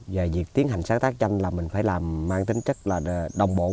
và việc tiến hành sáng tác tranh là mình phải làm mang tính chất là đồng bộ